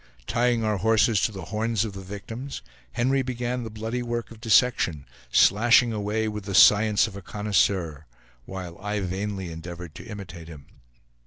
Tying our horses to the horns of the victims, Henry began the bloody work of dissection, slashing away with the science of a connoisseur, while I vainly endeavored to imitate him.